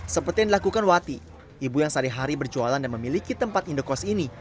seperti yang dilakukan wati ibu yang sehari hari berjualan dan memiliki tempat indokos ini